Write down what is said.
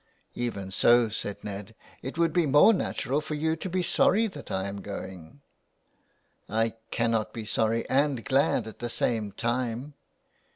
''Even so," said Ned, '' it would be more natural for you to be sorry that I am going.'' *' I cannot be sorry and glad at the same time."